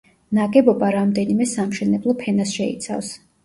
ნაგებობა რამდენიმე სამშენებლო ფენას შეიცავს.